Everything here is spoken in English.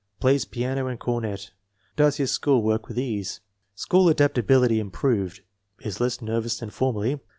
Plays piano and cornet. Does his school work with ease. School adaptability improved. Is less nervous than formerly.